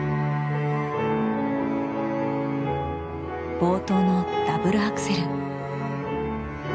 冒頭のダブルアクセル。